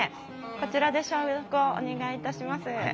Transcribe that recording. こちらで消毒をお願いいたします。